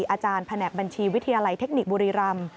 อาจารย์แผนกบัญชีวิทยาลัยเทคนิคบุรีรำ